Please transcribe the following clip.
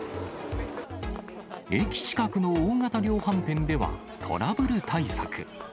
駅近くの大型量販店では、トラブル対策。